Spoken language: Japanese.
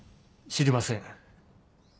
知りません。